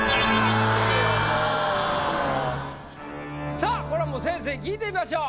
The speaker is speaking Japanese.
さあこれはもう先生に聞いてみましょう。